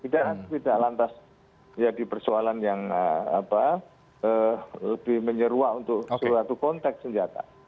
tidak lantas jadi persoalan yang lebih menyeruak untuk suatu konteks senjata